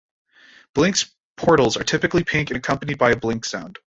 Blink's portals are typically pink and accompanied by a "Blink" sound.